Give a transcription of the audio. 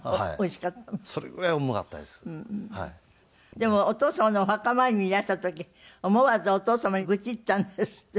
でもお父様のお墓参りにいらした時思わずお父様に愚痴ったんですって？